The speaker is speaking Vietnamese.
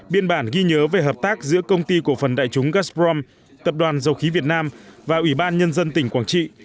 biên bản ghi nhớ về hợp tác giữa công ty cổ phần đại chúng gazprom tập đoàn dầu khí việt nam và ủy ban nhân dân tỉnh quảng trị